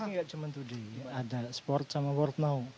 ini ya cuma dua d ada sport sama world now